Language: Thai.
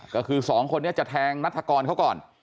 ก็คือสองคนนี้จะแทงนัฐกรเขาก่อน